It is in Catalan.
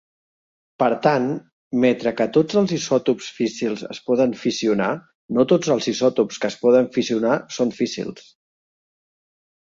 Per tant, metre que tots els isòtops físsils es poden fissionar, no tots els isòtops que es poden fissionar són físsils.